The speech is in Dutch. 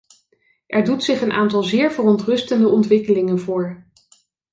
Er doet zich een aantal zeer verontrustende ontwikkelingen voor.